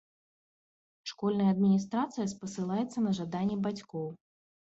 Школьная адміністрацыя спасылаецца на жаданне бацькоў.